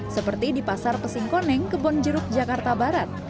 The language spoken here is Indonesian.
seperti di pasar pesingkoneng kebonjeruk jakarta barat